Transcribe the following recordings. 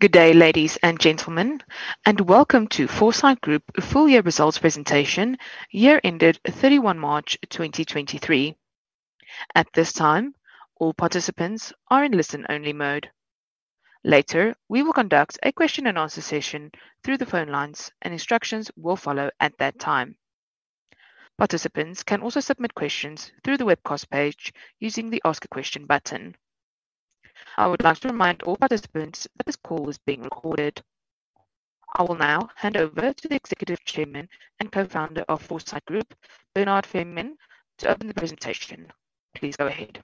Good day, ladies and gentlemen, welcome to Foresight Group Full Year Results Presentation, year ended 31 March 2023. At this time, all participants are in listen-only mode. Later, we will conduct a question and answer session through the phone lines, and instructions will follow at that time. Participants can also submit questions through the webcast page using the Ask a Question button. I would like to remind all participants that this call is being recorded. I will now hand over to the Executive Chairman and Co-founder of Foresight Group, Bernard Fairman, to open the presentation. Please go ahead.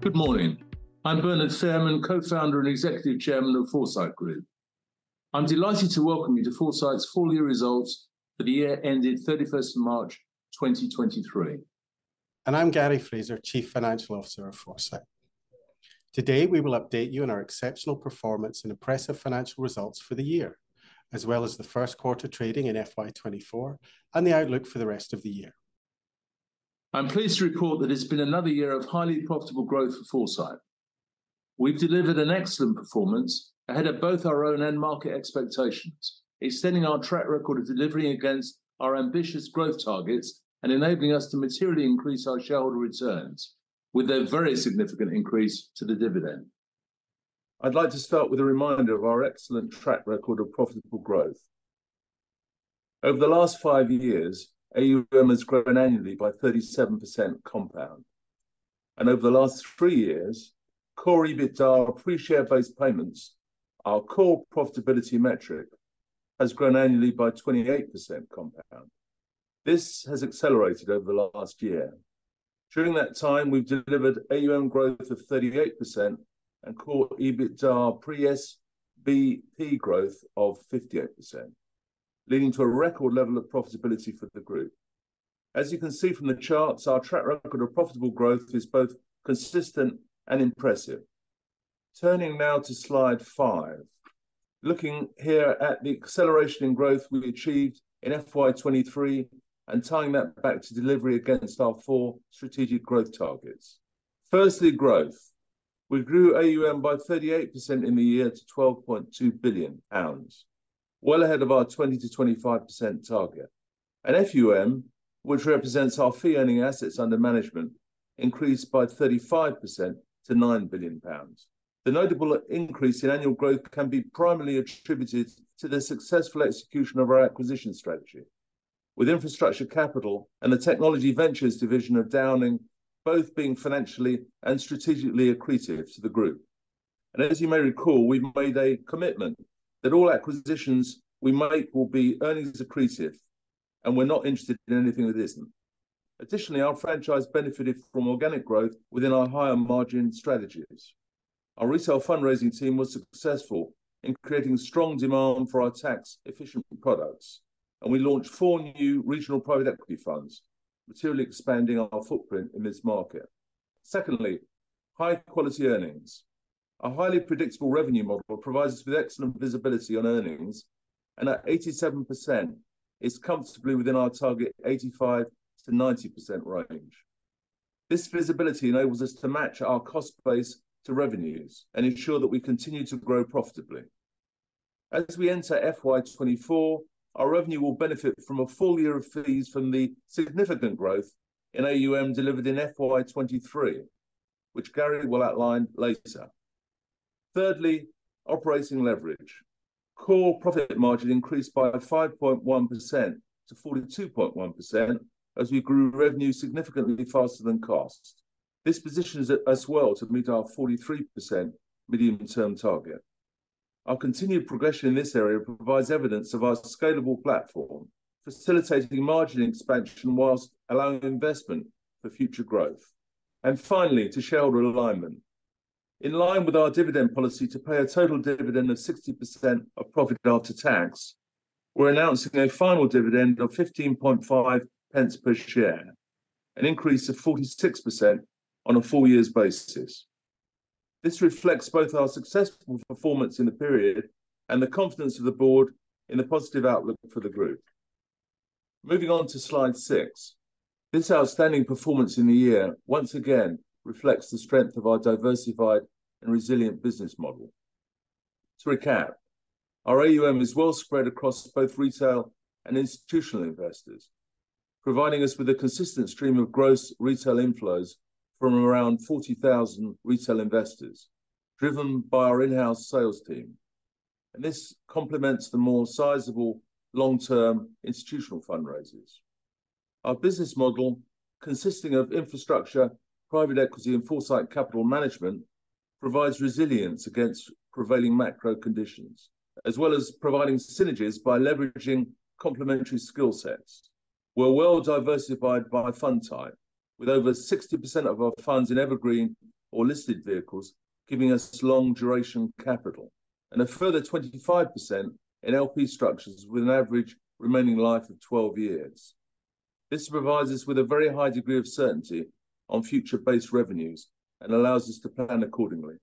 Good morning. I'm Bernard Fairman, Co-founder and Executive Chairman of Foresight Group. I'm delighted to welcome you to Foresight's Full Year Results for the year ended 31st of March 2023. I'm Gary Fraser, Chief Financial Officer of Foresight. Today, we will update you on our exceptional performance and impressive financial results for the year, as well as the Q1 trading in FY 2024 and the outlook for the rest of the year. I'm pleased to report that it's been another year of highly profitable growth for Foresight. We've delivered an excellent performance ahead of both our own end market expectations, extending our track record of delivering against our ambitious growth targets and enabling us to materially increase our shareholder returns, with a very significant increase to the dividend. I'd like to start with a reminder of our excellent track record of profitable growth. Over the last five years, AUM has grown annually by 37% compound, and over the last three years, core EBITDA pre-share-based payments, our core profitability metric, has grown annually by 28% compound. This has accelerated over the last year. During that time, we've delivered AUM growth of 38% and core EBITDA pre-SBP growth of 58%, leading to a record level of profitability for the Group. As you can see from the charts, our track record of profitable growth is both consistent and impressive. Turning now to slide five. Looking here at the acceleration in growth we've achieved in FY 2023 and tying that back to delivery against our four strategic growth targets. Firstly, growth. We grew AUM by 38% in the year to 12.2 billion pounds, well ahead of our 20%-25% target. FUM, which represents our fee-earning assets under management, increased by 35% to 9 billion pounds. The notable increase in annual growth can be primarily attributed to the successful execution of our acquisition strategy, with infrastructure capital and the technology ventures division of Downing both being financially and strategically accretive to the Group. As you may recall, we've made a commitment that all acquisitions we make will be earnings accretive, and we're not interested in anything that isn't. Additionally, our franchise benefited from organic growth within our higher margin strategies. Our retail fundraising team was successful in creating strong demand for our tax-efficient products, and we launched four new regional private equity funds, materially expanding our footprint in this market. Secondly, high-quality earnings. A highly predictable revenue model provides us with excellent visibility on earnings, and at 87%, is comfortably within our target 85%-90% range. This visibility enables us to match our cost base to revenues and ensure that we continue to grow profitably. As we enter FY 2024, our revenue will benefit from a full year of fees from the significant growth in AUM delivered in FY 2023, which Gary will outline later. Thirdly, operating leverage. Core profit margin increased by 5.1% to 42.1% as we grew revenue significantly faster than costs. This positions us well to meet our 43% medium-term target. Our continued progression in this area provides evidence of our scalable platform, facilitating margin expansion whilst allowing investment for future growth. Finally, to shareholder alignment. In line with our dividend policy to pay a total dividend of 60% of profit after tax, we're announcing a final dividend of 0.155 per share, an increase of 46% on a 4-year basis. This reflects both our successful performance in the period and the confidence of the board in the positive outlook for the Group. Moving on to slide 6. This outstanding performance in the year once again reflects the strength of our diversified and resilient business model. To recap, our AUM is well spread across both retail and institutional investors, providing us with a consistent stream of gross retail inflows from around 40,000 retail investors, driven by our in-house sales team. This complements the more sizable long-term institutional fundraisers. Our business model, consisting of infrastructure, private equity, and Foresight Capital Management, provides resilience against prevailing macro conditions, as well as providing synergies by leveraging complementary skill sets. We're well diversified by fund type, with over 60% of our funds in evergreen or listed vehicles, giving us long-duration capital. A further 25% in LP structures, with an average remaining life of 12 years. This provides us with a very high degree of certainty on future-based revenues and allows us to plan accordingly.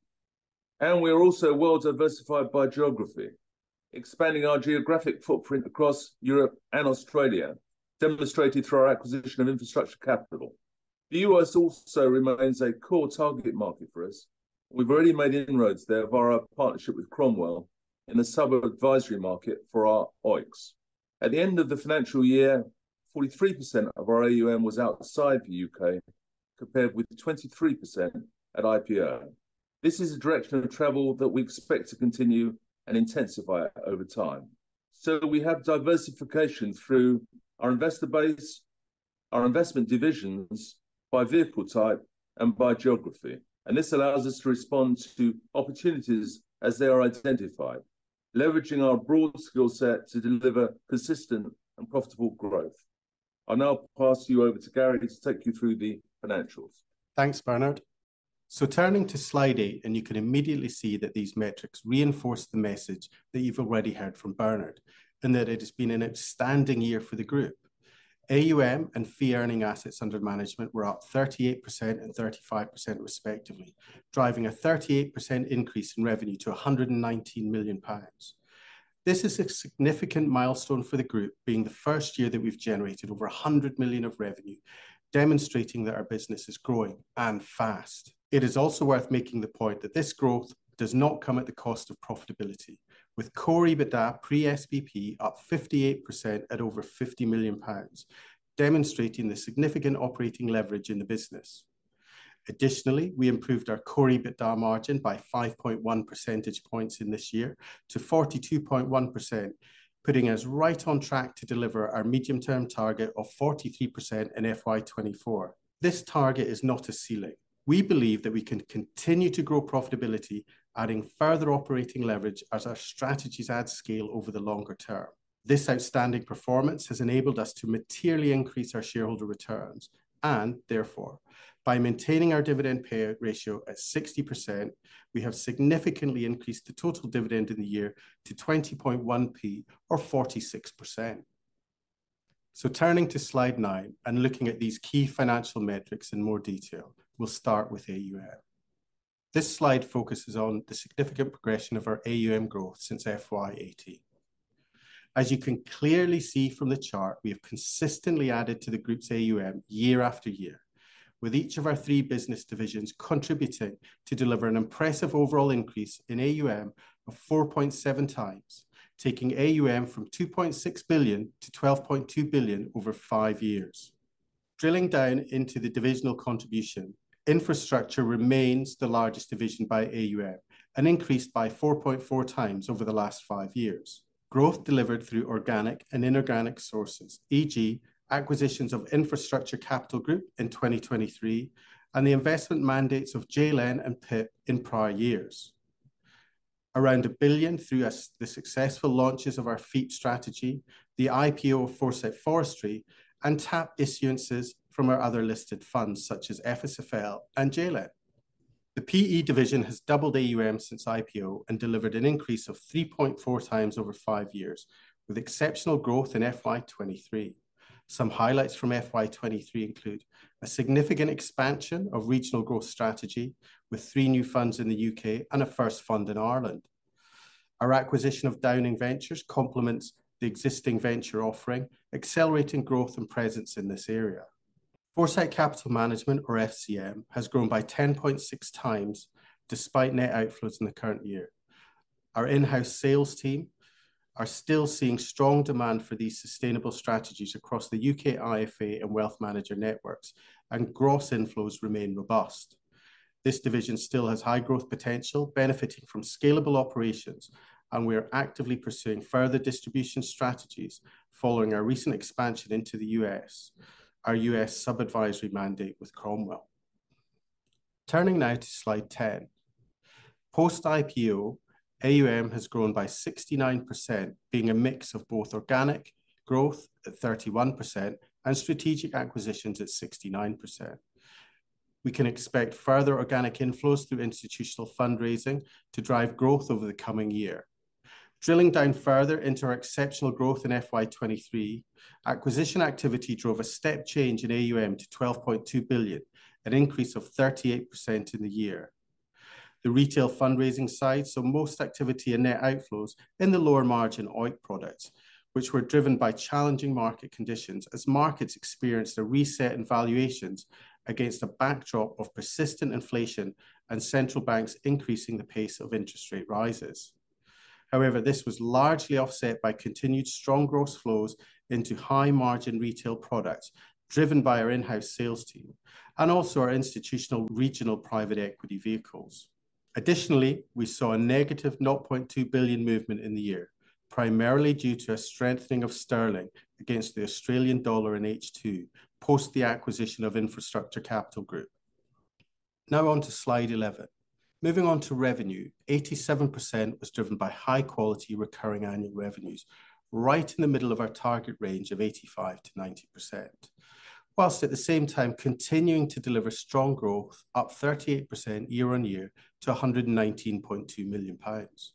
We are also well diversified by geography, expanding our geographic footprint across Europe and Australia, demonstrated through our acquisition of infrastructure capital. The U.S. also remains a core target market for us. We've already made inroads there via our partnership with Cromwell in the sub-advisory market for our OEICs. At the end of the financial year, 43% of our AUM was outside the U.K., compared with 23% at IPO. This is a direction of travel that we expect to continue and intensify over time. We have diversification through our investor base, our investment divisions, by vehicle type and by geography, and this allows us to respond to opportunities as they are identified, leveraging our broad skill set to deliver consistent and profitable growth. I'll now pass you over to Gary to take you through the financials. Thanks, Bernard. Turning to slide 8, and you can immediately see that these metrics reinforce the message that you've already heard from Bernard, in that it has been an outstanding year for the Group. AUM and fee earning assets under management were up 38% and 35% respectively, driving a 38% increase in revenue to 119 million pounds. This is a significant milestone for the Group, being the first year that we've generated over 100 million of revenue, demonstrating that our business is growing, and fast. It is also worth making the point that this growth does not come at the cost of profitability, with core EBITDA pre SBP up 58% at over 50 million pounds, demonstrating the significant operating leverage in the business. Additionally, we improved our core EBITDA margin by 5.1 percentage points in this year to 42.1%, putting us right on track to deliver our medium-term target of 43% in FY 2024. This target is not a ceiling. We believe that we can continue to grow profitability, adding further operating leverage as our strategies add scale over the longer term. This outstanding performance has enabled us to materially increase our shareholder returns and therefore, by maintaining our dividend payout ratio at 60%, we have significantly increased the total dividend in the year to 20.1p or 46%. Turning to slide 9 and looking at these key financial metrics in more detail, we'll start with AUM. This slide focuses on the significant progression of our AUM growth since FY 2018. As you can clearly see from the chart, we have consistently added to the group's AUM year after year, with each of our three business divisions contributing to deliver an impressive overall increase in AUM of 4.7 times, taking AUM from 2.6 billion to 12.2 billion over 5 years. Drilling down into the divisional contribution, infrastructure remains the largest division by AUM and increased by 4.4 times over the last 5 years. Growth delivered through organic and inorganic sources, e.g., acquisitions of infrastructure capital Group in 2023 and the investment mandates of JLEN and PiP in prior years. Around 1 billion through the successful launches of our FEIT strategy, the IPO of Foresight Forestry and TAP issuances from our other listed funds such as FSFL and JLEN. The PE division has doubled AUM since IPO and delivered an increase of 3.4 times over 5 years, with exceptional growth in FY 2023. Some highlights from FY 2023 include a significant expansion of regional growth strategy with 3 new funds in the U.K. and a first fund in Ireland. Our acquisition of Downing Ventures complements the existing venture offering, accelerating growth and presence in this area. Foresight Capital Management, or FCM, has grown by 10.6 times despite net outflows in the current year. Our in-house sales team are still seeing strong demand for these sustainable strategies across the U.K. IFA and wealth manager networks. Gross inflows remain robust. This division still has high growth potential, benefiting from scalable operations. We are actively pursuing further distribution strategies following our recent expansion into the U.S., our U.S. sub-advisory mandate with Cromwell. Turning now to slide 10. Post IPO, AUM has grown by 69%, being a mix of both organic growth at 31% and strategic acquisitions at 69%. We can expect further organic inflows through institutional fundraising to drive growth over the coming year. Drilling down further into our exceptional growth in FY 2023, acquisition activity drove a step change in AUM to 12.2 billion, an increase of 38% in the year. The retail fundraising side saw most activity and net outflows in the lower margin OEIC products, which were driven by challenging market conditions as markets experienced a reset in valuations against a backdrop of persistent inflation and central banks increasing the pace of interest rate rises. However, this was largely offset by continued strong gross flows into high margin retail products, driven by our in-house sales team and also our institutional regional private equity vehicles. Additionally, we saw a negative 0.2 billion movement in the year, primarily due to a strengthening of Sterling against the Australian dollar in H2 post the acquisition of infrastructure capital Group. Now on to slide 11. Moving on to revenue, 87% was driven by high quality recurring annual revenues, right in the middle of our target range of 85%-90%, whilst at the same time continuing to deliver strong growth, up 38% year-on-year to 119.2 million pounds.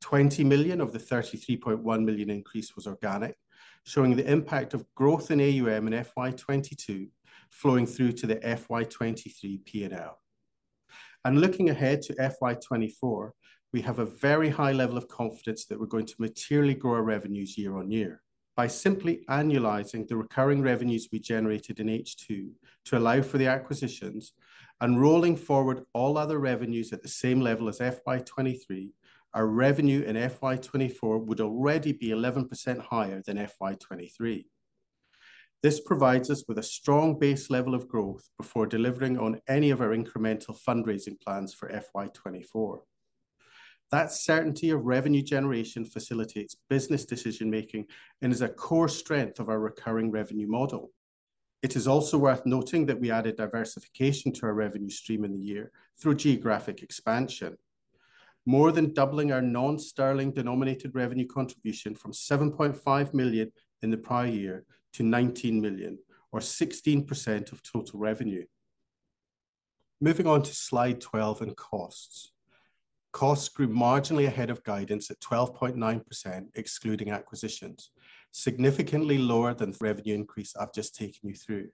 20 million of the 33.1 million increase was organic, showing the impact of growth in AUM in FY 2022 flowing through to the FY 2023 P&L. Looking ahead to FY 2024, we have a very high level of confidence that we're going to materially grow our revenues year-on-year. By simply annualizing the recurring revenues we generated in H2 to allow for the acquisitions and rolling forward all other revenues at the same level as FY 2023, our revenue in FY 2024 would already be 11% higher than FY 2023. This provides us with a strong base level of growth before delivering on any of our incremental fundraising plans for FY 2024. That certainty of revenue generation facilitates business decision-making and is a core strength of our recurring revenue model. It is also worth noting that we added diversification to our revenue stream in the year through geographic expansion, more than doubling our non-sterling denominated revenue contribution from 7.5 million in the prior year to 19 million, or 16% of total revenue. Moving on to slide 12 and costs. Costs grew marginally ahead of guidance at 12.9%, excluding acquisitions, significantly lower than the revenue increase I've just taken you through.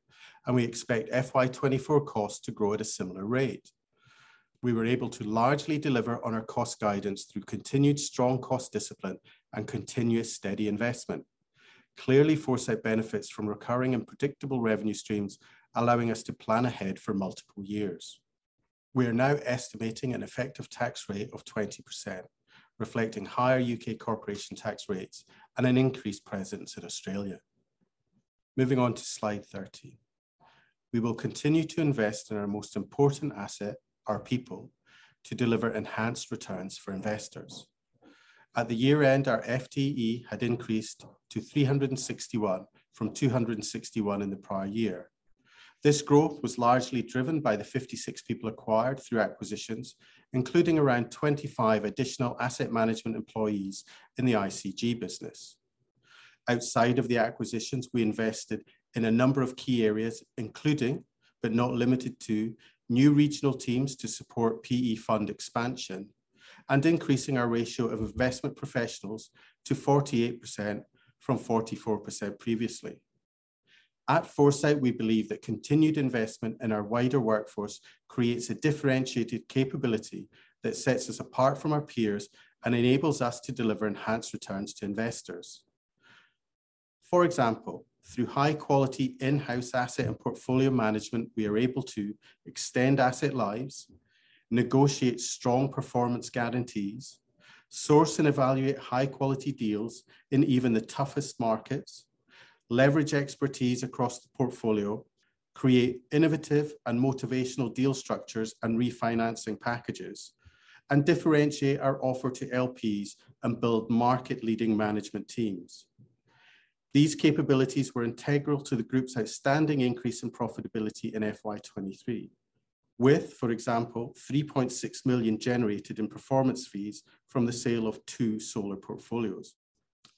We expect FY 2024 costs to grow at a similar rate. We were able to largely deliver on our cost guidance through continued strong cost discipline and continuous steady investment. Clearly, Foresight benefits from recurring and predictable revenue streams, allowing us to plan ahead for multiple years. We are now estimating an effective tax rate of 20%, reflecting higher U.K. corporation tax rates and an increased presence in Australia. Moving on to slide 13. We will continue to invest in our most important asset, our people, to deliver enhanced returns for investors. At the year-end, our FTE had increased to 361 from 261 in the prior year. This growth was largely driven by the 56 people acquired through acquisitions, including around 25 additional asset management employees in the ICG business. Outside of the acquisitions, we invested in a number of key areas, including, but not limited to, new regional teams to support PE fund expansion and increasing our ratio of investment professionals to 48% from 44% previously. At Foresight, we believe that continued investment in our wider workforce creates a differentiated capability that sets us apart from our peers and enables us to deliver enhanced returns to investors. For example, through high quality in-house asset and portfolio management, we are able to extend asset lives, negotiate strong performance guarantees, source and evaluate high quality deals in even the toughest markets, leverage expertise across the portfolio, create innovative and motivational deal structures and refinancing packages, and differentiate our offer to LPs and build market-leading management teams. These capabilities were integral to the group's outstanding increase in profitability in FY 2023, with, for example, 3.6 million generated in performance fees from the sale of two solar portfolios.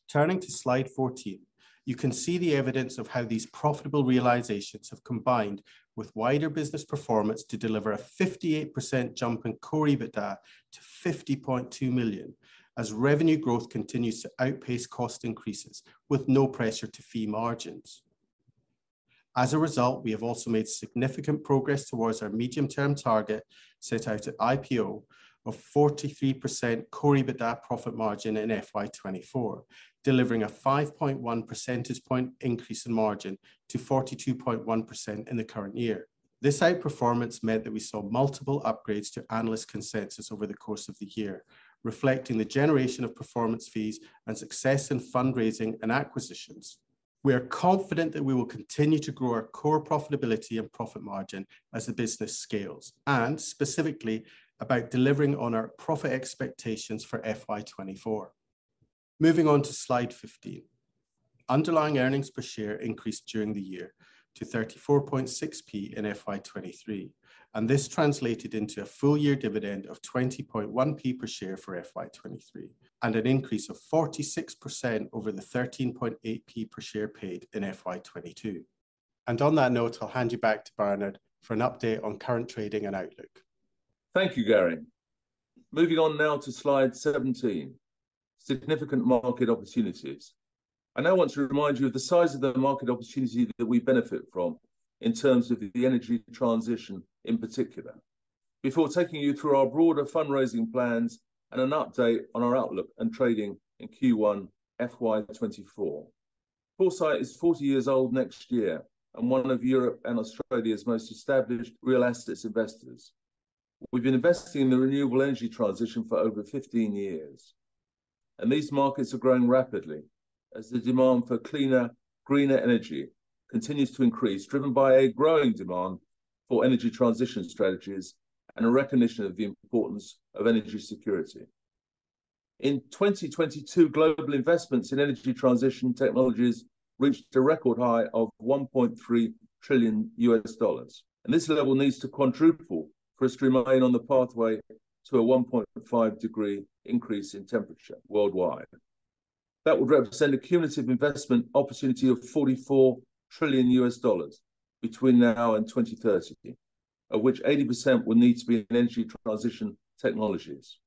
Turning to slide 14, you can see the evidence of how these profitable realizations have combined with wider business performance to deliver a 58% jump in core EBITDA to 50.2 million, as revenue growth continues to outpace cost increases with no pressure to fee margins. As a result, we have also made significant progress towards our medium-term target, set out at IPO of 43% core EBITDA profit margin in FY 2024, delivering a 5.1 percentage point increase in margin to 42.1% in the current year. This outperformance meant that we saw multiple upgrades to analyst consensus over the course of the year, reflecting the generation of performance fees and success in fundraising and acquisitions. We are confident that we will continue to grow our core profitability and profit margin as the business scales, and specifically about delivering on our profit expectations for FY 2024. Moving on to slide 15. Underlying earnings per share increased during the year to 34.6 P in FY 2023, and this translated into a full year dividend of 20.1 P per share for FY 2023, and an increase of 46% over the 13.8 P per share paid in FY 2022. On that note, I'll hand you back to Bernard for an update on current trading and outlook. Thank you, Gary. Moving on now to slide 17, significant market opportunities. I now want to remind you of the size of the market opportunity that we benefit from in terms of the energy transition, in particular, before taking you through our broader fundraising plans and an update on our outlook and trading in Q1 FY 2024. Foresight is 40 years old next year and one of Europe and Australia's most established real assets investors. We've been investing in the renewable energy transition for over 15 years, and these markets are growing rapidly as the demand for cleaner, greener energy continues to increase, driven by a growing demand for energy transition strategies and a recognition of the importance of energy security. In 2022, global investments in energy transition technologies reached a record high of $1.3 trillion, this level needs to quadruple for us to remain on the pathway to a 1.5 degree increase in temperature worldwide. That would represent a cumulative investment opportunity of $44 trillion between now and 2030, of which 80% will need to be in energy transition technologies.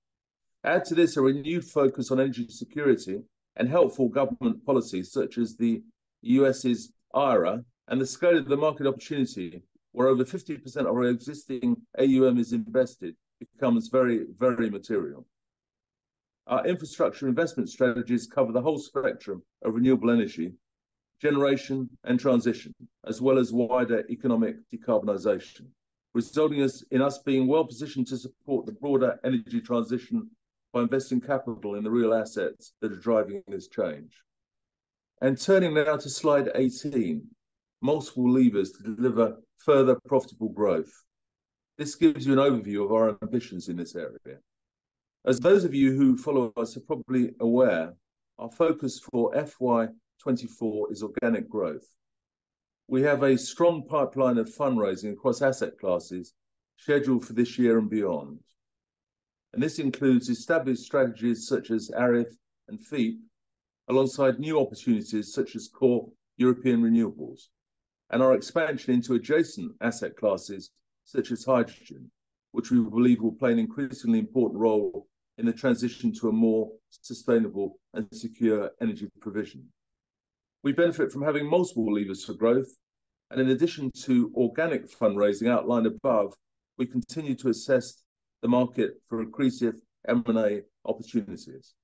Add to this a renewed focus on energy security and helpful government policies, such as the U.S.'s IRA, the scale of the market opportunity, where over 50% of our existing AUM is invested, becomes very, very material. Our infrastructure investment strategies cover the whole spectrum of renewable energy generation and transition, as well as wider economic decarbonization, in us being well positioned to support the broader energy transition by investing capital in the real assets that are driving this change. Turning now to slide 18, multiple levers to deliver further profitable growth. This gives you an overview of our ambitions in this area. As those of you who follow us are probably aware, our focus for FY 2024 is organic growth. We have a strong pipeline of fundraising across asset classes scheduled for this year and beyond. This includes established strategies such as ARIF and FEIP, alongside new opportunities such as core European renewables, and our expansion into adjacent asset classes such as hydrogen, which we believe will play an increasingly important role in the transition to a more sustainable and secure energy provision. We benefit from having multiple levers for growth, and in addition to organic fundraising outlined above, we continue to assess the market for accretive M&A opportunities.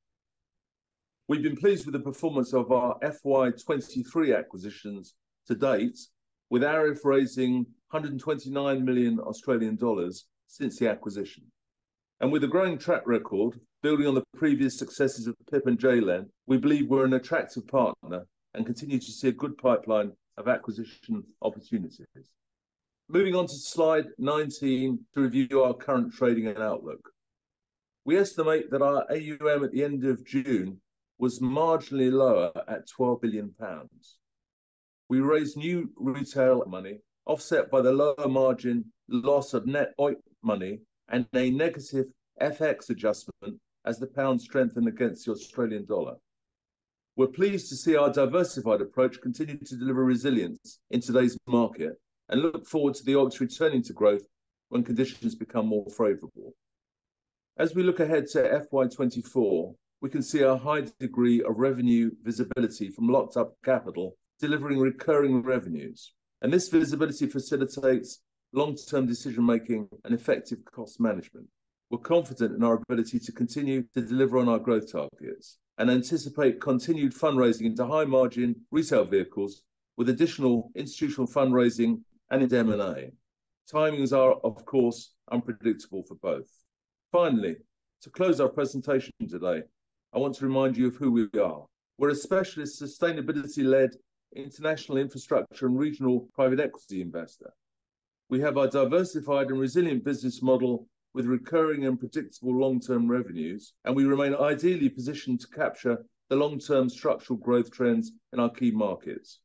We've been pleased with the performance of our FY 2023 acquisitions to date, with ARIF raising 129 million Australian dollars since the acquisition. With a growing track record, building on the previous successes of the PiP and JLEN, we believe we're an attractive partner and continue to see a good pipeline of acquisition opportunities. Moving on to slide 19 to review our current trading and outlook. We estimate that our AUM at the end of June was marginally lower at 12 billion pounds. We raised new retail money, offset by the lower margin loss of net NNM money and a negative FX adjustment as the pound strengthened against the Australian dollar. We're pleased to see our diversified approach continue to deliver resilience in today's market and look forward to the Alts returning to growth when conditions become more favorable. As we look ahead to FY 2024, we can see a high degree of revenue visibility from locked-up capital, delivering recurring revenues. This visibility facilitates long-term decision-making and effective cost management. We're confident in our ability to continue to deliver on our growth targets and anticipate continued fundraising into high-margin retail vehicles with additional institutional fundraising and in M&A. Timings are, of course, unpredictable for both. Finally, to close our presentation today, I want to remind you of who we are. We're a specialist, sustainability-led, international infrastructure and regional private equity investor. We have a diversified and resilient business model with recurring and predictable long-term revenues, and we remain ideally positioned to capture the long-term structural growth trends in our key markets.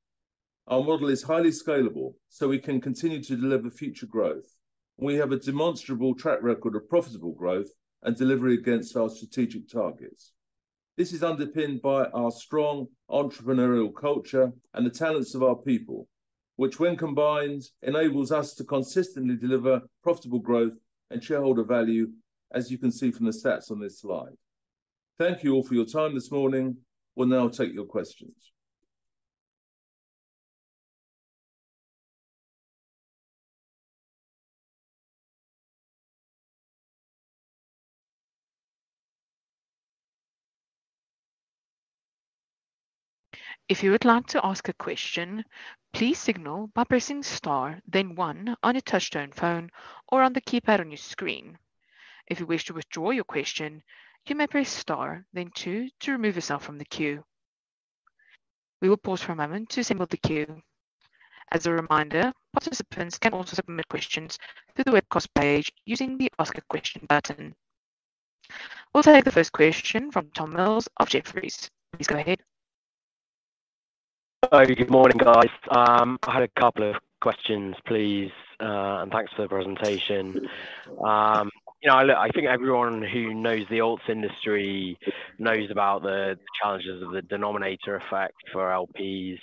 Our model is highly scalable, so we can continue to deliver future growth. We have a demonstrable track record of profitable growth and delivery against our strategic targets. This is underpinned by our strong entrepreneurial culture and the talents of our people, which, when combined, enables us to consistently deliver profitable growth and shareholder value, as you can see from the stats on this slide. Thank you all for your time this morning. We'll now take your questions. If you would like to ask a question, please signal by pressing star, then one on a touchtone phone or on the keypad on your screen. If you wish to withdraw your question, you may press star then two to remove yourself from the queue. We will pause for a moment to assemble the queue. As a reminder, participants can also submit questions through the webcast page using the Ask a Question button. We'll take the first question from Tom Mills of Jefferies. Please go ahead. Hi, good morning, guys. I had a couple of questions, please, and thanks for the presentation. You know, I, look, I think everyone who knows the Alts industry knows about the challenges of the denominator effect for LPs.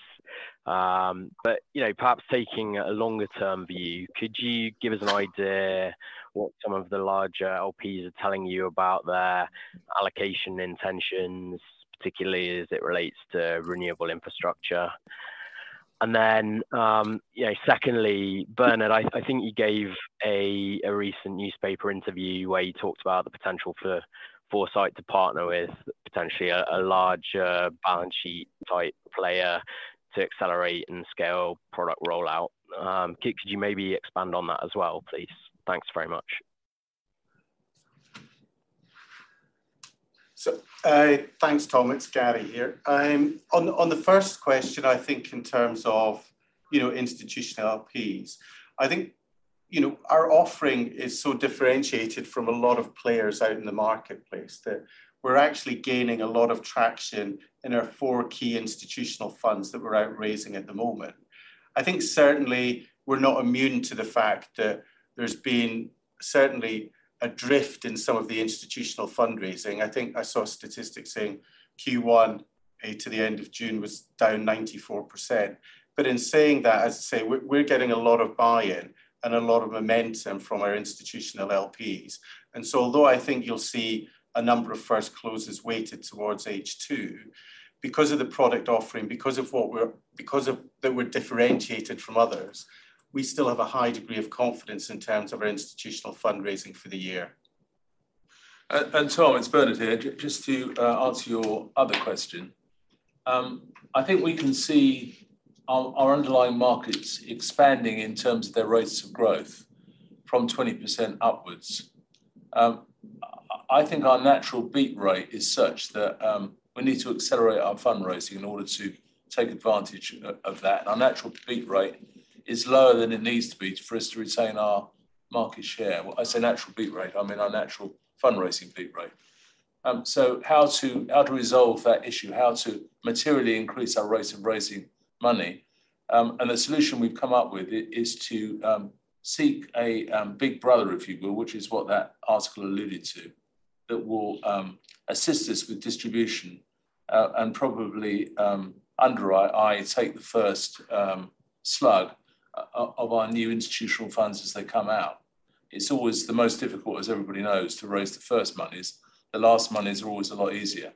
You know, perhaps taking a longer-term view, could you give us an idea what some of the larger LPs are telling you about their allocation intentions, particularly as it relates to renewable infrastructure? You know, secondly, Bernard, I think you gave a recent newspaper interview where you talked about the potential for Foresight to partner with potentially a larger balance sheet type player to accelerate and scale product rollout. Could you maybe expand on that as well, please? Thanks very much. Thanks, Tom. It's Gary here. On the first question, I think in terms of, you know, institutional LPs, I think, you know, our offering is so differentiated from a lot of players out in the marketplace, that we're actually gaining a lot of traction in our four key institutional funds that we're out raising at the moment. I think certainly we're not immune to the fact that there's been certainly a drift in some of the institutional fundraising. I think I saw a statistic saying Q1 and to the end of June was down 94%, but In saying that, as I say, we're getting a lot of buy-in and a lot of momentum from our institutional LPs. Although I think you'll see a number of first closes weighted towards H2, because of the product offering, because of that we're differentiated from others, we still have a high degree of confidence in terms of our institutional fundraising for the year. Tom, it's Bernard here. Just to answer your other question. I think we can see our underlying markets expanding in terms of their rates of growth from 20% upwards. I think our natural beat rate is such that we need to accelerate our fundraising in order to take advantage of that. Our natural beat rate is lower than it needs to be for us to retain our market share. When I say natural beat rate, I mean our natural fundraising beat rate. How to, how to resolve that issue, how to materially increase our rates of raising money, and the solution we've come up with is to seek a big brother, if you will, which is what that article alluded to, that will assist us with distribution, and probably underwrite and take the first slug of our new institutional funds as they come out. It's always the most difficult, as everybody knows, to raise the first monies. The last monies are always a lot easier.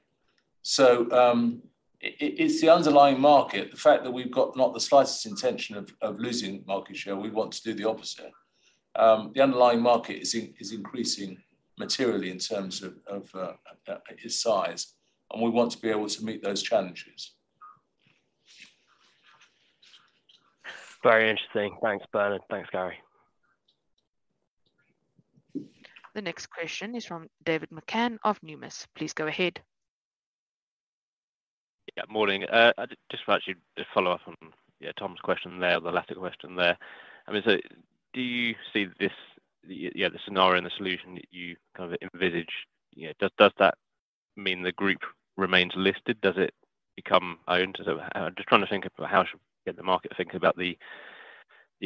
It's the underlying market, the fact that we've got not the slightest intention of losing market share, we want to do the opposite. The underlying market is increasing materially in terms of its size, and we want to be able to meet those challenges. Very interesting. Thanks, Bernard. Thanks, Gary. The next question is from David McCann of Numis. Please go ahead. Yeah, Morning. I just wanted to follow up on, yeah, Tom's question there, the latter question there. I mean, do you see this, yeah, the scenario and the solution that you kind of envisage, you know, does that mean the group remains listed? Does it become owned? I'm just trying to think of how I should get the market to think about the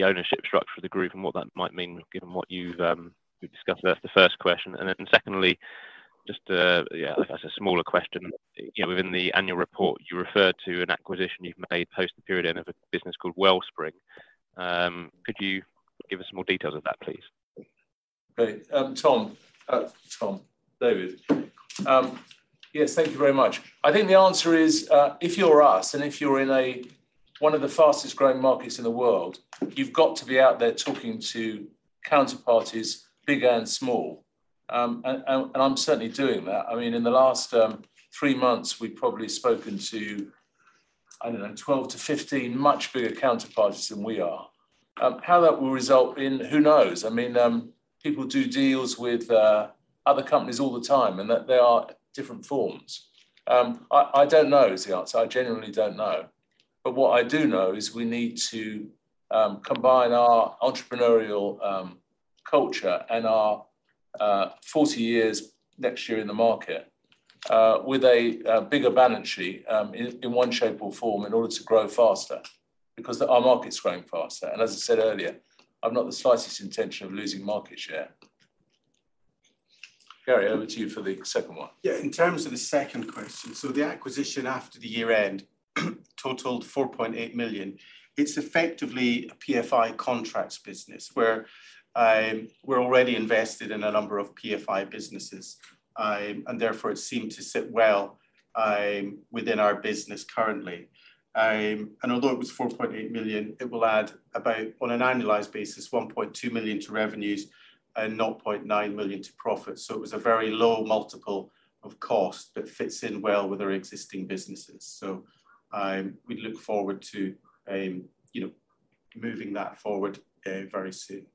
ownership structure of the group and what that might mean, given what you've discussed. That's the first question. Secondly, just, yeah, I guess a smaller question. You know, within the annual report, you referred to an acquisition you've made post the period end of a business called Wellspring. Could you give us some more details of that, please? Great. Tom. David, yes, thank you very much. I think the answer is, if you're us and if you're in a, one of the fastest-growing markets in the world, you've got to be out there talking to counterparties, big and small. I'm certainly doing that. I mean, in the last, three months, we've probably spoken to, I don't know, 12 to 15 much bigger counterparties than we are. How that will result in, who knows? I mean, people do deals with, other companies all the time, and that there are different forms. I don't know is the answer. I genuinely don't know. What I do know is we need to combine our entrepreneurial culture and our 40 years next year in the market with a bigger balance sheet in one shape or form in order to grow faster, because our market is growing faster. As I said earlier, I've not the slightest intention of losing market share. Gary, over to you for the second one. Yeah, in terms of the second question, the acquisition after the year-end totaled 4.8 million. It's effectively a PFI contracts business, where we're already invested in a number of PFI businesses, therefore it seemed to sit well within our business currently. Although it was 4.8 million, it will add about, on an annualized basis, 1.2 million to revenues and 0.9 million to profits. It was a very low multiple of cost, fits in well with our existing businesses. We look forward to, you know, moving that forward very soon.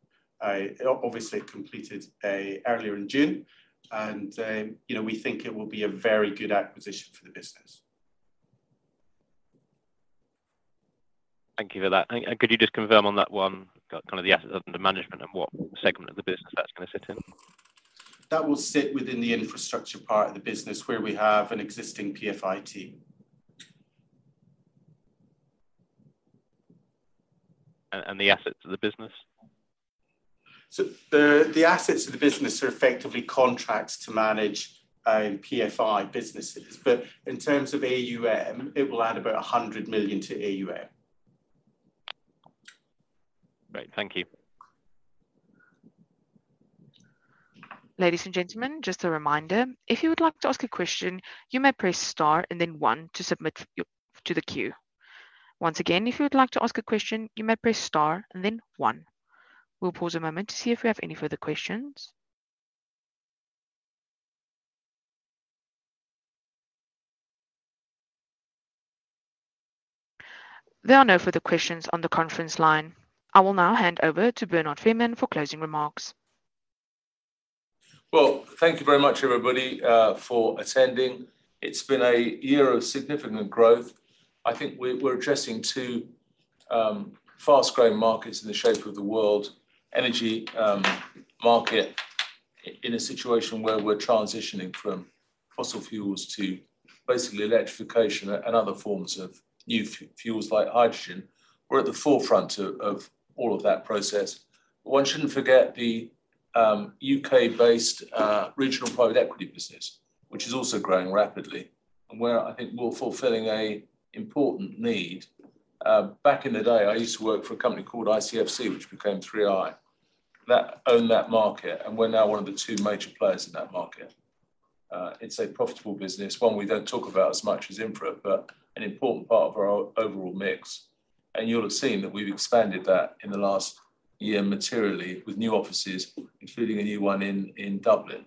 Obviously, it completed earlier in June, you know, we think it will be a very good acquisition for the business. Thank you for that, and could you just confirm on that one, kind of the assets under management and what segment of the business that's gonna sit in? That will sit within the infrastructure part of the business, where we have an existing PFI team. The assets of the business? The assets of the business are effectively contracts to manage PFI businesses. In terms of AUM, it will add about 100 million to AUM. Great, thank you. Ladies and gentlemen, just a reminder, if you would like to ask a question, you may press star and then one to submit to the queue. Once again, if you would like to ask a question, you may press star and then one. We'll pause a moment to see if we have any further questions. There are no further questions on the conference line. I will now hand over to Bernard Fairman for closing remarks. Well, thank you very much, everybody, for attending. It's been a year of significant growth. I think we're addressing two fast-growing markets in the shape of the world energy market, in a situation where we're transitioning from fossil fuels to basically electrification and other forms of new fuels like hydrogen. We're at the forefront of all of that process. One shouldn't forget the U.K.-based regional private equity business, which is also growing rapidly and where I think we're fulfilling a important need. Back in the day, I used to work for a company called ICFC, which became 3i, that owned that market, and we're now one of the two major players in that market. It's a profitable business, one we don't talk about as much as infra, but an important part of our overall mix. You'll have seen that we've expanded that in the last year materially with new offices, including a new one in Dublin.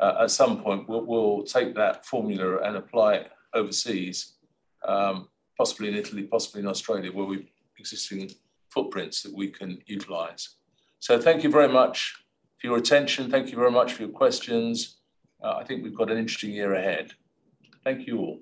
At some point, we'll take that formula and apply it overseas, possibly in Italy, possibly in Australia, where we've existing footprints that we can utilize. Thank you very much for your attention. Thank you very much for your questions. I think we've got an interesting year ahead. Thank you all.